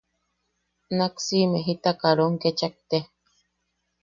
Nak siime jita karom kechak tea.